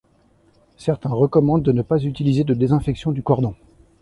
Certains recommandent de ne pas utiliser de désinfection du cordon.